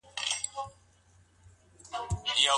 مرغاوۍ بې اوبو نه وي.